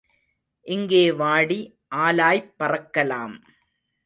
இங்கே வாடி ஆலாய்ப் பறக்கலாம்.